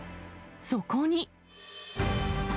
そこに。